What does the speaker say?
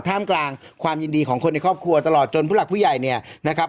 ท่ามกลางความยินดีของคนในครอบครัวตลอดจนผู้หลักผู้ใหญ่เนี่ยนะครับ